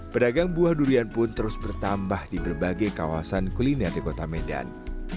pedagang buah durian pun terus bertambah di berbagai kawasan kuliner di kota medan